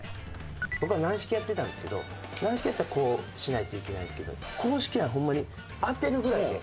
僕は軟式やってたんですけど軟式やったらこうしないといけないんですけど硬式ならホンマに当てるぐらいで。